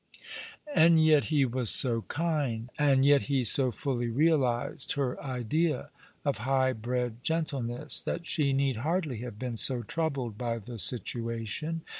And yet he was so kind, and yet he so fully realized her idea of high bred gentleness, that she need hardly have been so troubled by the situation.